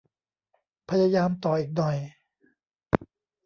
พยายามต่ออีกหน่อย